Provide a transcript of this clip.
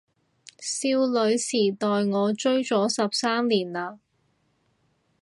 少女時代我追咗十三年喇